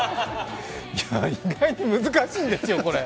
意外と難しいんですよ。